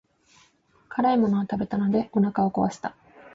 辛いものを食べたのでお腹を壊した。